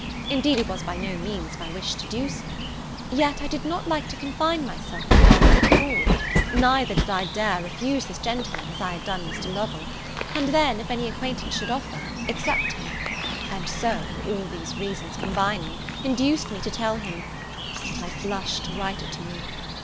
Indeed it was by no means my wish so to do: yet I did not like to confine myself from dancing at all; neither did I dare refuse this gentleman as I had done Mr. Lovel, and then, if any acquaintance should offer, accept him: and so, all these reasons combining, induced me to tell him yet I blush to write it to you!